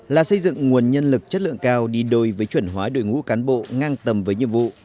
là xây dựng nguồn nhân lực chất lượng cao đi đôi với chuẩn hóa đội ngũ cán bộ ngang tầm với nhiệm vụ